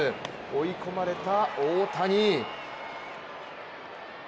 追い込まれた大谷。